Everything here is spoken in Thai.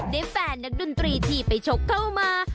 แฟนนักดนตรีที่ไปชกเข้ามา